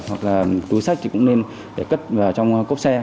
hoặc là túi sách thì cũng nên để cất vào trong cốp xe